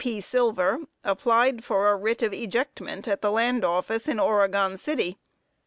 P. Silver, applied for a writ of ejectment at the land office in Oregon City.